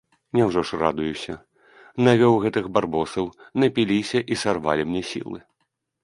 Няўжо ж радуюся, навёў гэтых барбосаў, напіліся і сарвалі мне сілы.